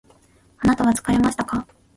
あなたは疲れましたか？